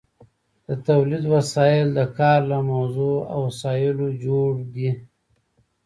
د تولید وسایل د کار له موضوع او وسایلو جوړ دي.